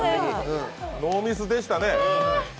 ノーミスでしたね。